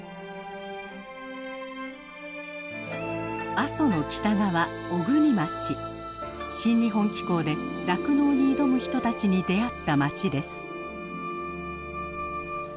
阿蘇の北側「新日本紀行」で酪農に挑む人たちに出会った町です。